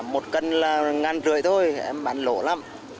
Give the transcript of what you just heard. một cân là một năm trăm linh thôi em bán lỗ lắm